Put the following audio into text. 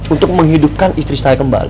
untuk menghidupkan istri saya kembali